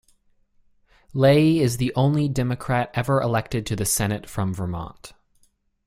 Leahy is the only Democrat ever elected to the Senate from Vermont.